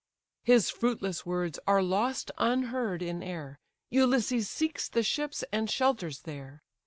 His fruitless words are lost unheard in air, Ulysses seeks the ships, and shelters there.